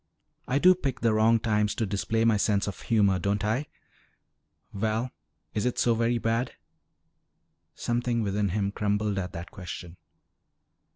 "I do pick the wrong times to display my sense of humor, don't I? Val, is it so very bad?" Something within him crumbled at that question.